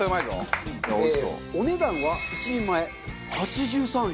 お値段は１人前８３円！